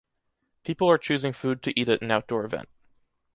People are choosing food to eat at an outdoor event.